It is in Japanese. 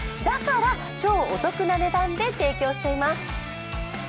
だから超お得な値段で提供しています。